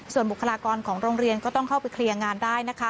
ส่วนบุคลากรของโรงเรียนก็ต้องเข้าไปเคลียร์งานได้นะคะ